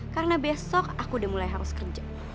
karena besok aku udah mulai harus kerja